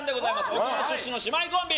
沖縄出身の姉妹コンビ。